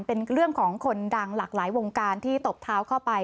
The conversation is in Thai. เป็นเรื่องของคนดังหลากหลายวงการที่ตบเท้าเข้าไป